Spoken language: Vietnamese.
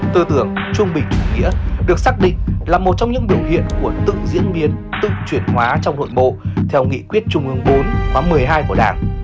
tư tưởng trung bình chủ nghĩa được xác định là một trong những biểu hiện của tự diễn biến tự chuyển hóa trong hội bộ theo nghị quyết trung ương bốn khóa một mươi hai của đảng